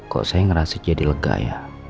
kok saya ngerasa jadi lega ya